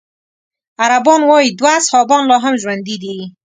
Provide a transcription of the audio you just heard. عربان وايي دوه اصحابان لا هم ژوندي دي.